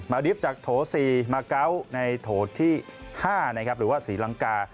มาดริฟท์จากโถ๔มาเกาะในโถ๕หรือว่าสีลังกา